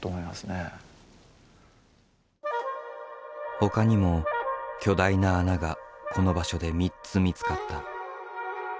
ほかにも巨大な穴がこの場所で３つ見つかった。